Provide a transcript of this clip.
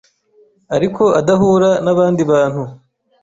ariko adahura n'abandi bantu